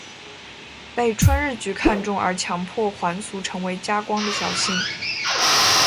被春日局看中而被强迫还俗成为家光的小姓。